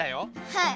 はい。